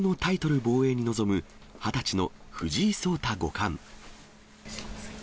防衛に臨む２０歳の藤井聡太五冠。